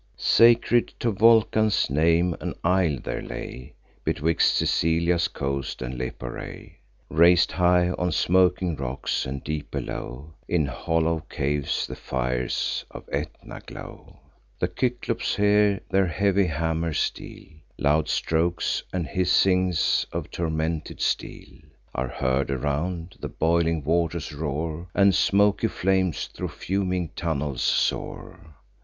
Sacred to Vulcan's name, an isle there lay, Betwixt Sicilia's coasts and Lipare, Rais'd high on smoking rocks; and, deep below, In hollow caves the fires of Aetna glow. The Cyclops here their heavy hammers deal; Loud strokes, and hissings of tormented steel, Are heard around; the boiling waters roar, And smoky flames thro' fuming tunnels soar.